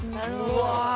うわ！